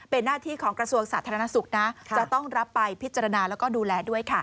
เป็นหน้าที่ของกระทรวงสาธารณสุขนะจะต้องรับไปพิจารณาแล้วก็ดูแลด้วยค่ะ